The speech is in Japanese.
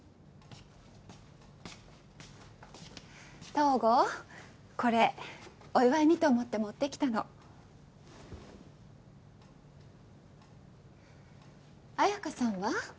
東郷これお祝いにと思って持ってきたの綾華さんは？